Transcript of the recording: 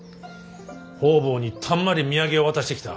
方々にたんまり土産を渡してきた。